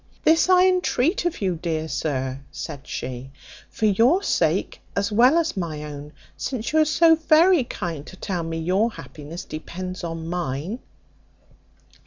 This I entreat of you, dear sir," said she, "for your sake, as well as my own, since you are so very kind to tell me your happiness depends on mine."